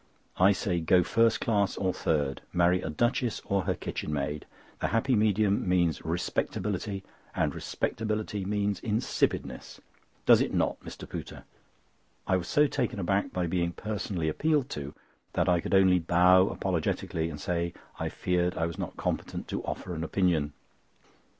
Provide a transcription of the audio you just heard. I say, go first class or third; marry a duchess or her kitchenmaid. The happy medium means respectability, and respectability means insipidness. Does it not, Mr. Pooter?" I was so taken aback by being personally appealed to, that I could only bow apologetically, and say I feared I was not competent to offer an opinion.